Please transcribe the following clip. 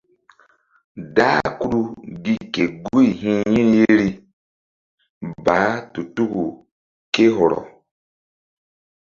Dah Kudu gi ke guy hi̧ yin yeri baah tu tuku ké hɔrɔ.